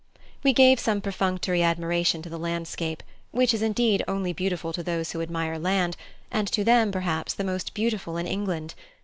We gave some perfunctory admiration to the landscape, which is indeed only beautiful to those who admire land, and to them perhaps the most beautiful in England.